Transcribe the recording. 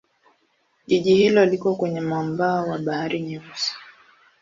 Jiji hilo liko kwenye mwambao wa Bahari Nyeusi.